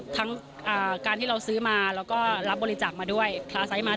ทั้งการที่เราซื้อมาแล้วก็รับบริจาคมาด้วยคลาไซส์มา